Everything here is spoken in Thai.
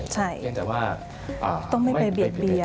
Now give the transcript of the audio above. เพียงแต่ว่าไม่ไปเบียดเบียน